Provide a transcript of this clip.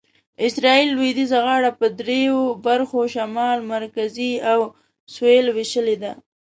اسرایل لویدیځه غاړه په دریو برخو شمال، مرکزي او سویل وېشلې ده.